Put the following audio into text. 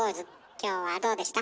今日はどうでした？